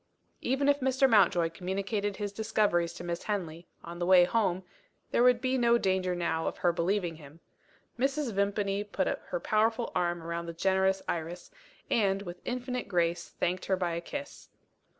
Even if Mr. Mountjoy communicated his discoveries to Miss Henley, on the way home, there would be no danger now of her believing him. Mrs. Vimpany put her powerful arm round the generous Iris, and, with infinite grace, thanked her by a kiss.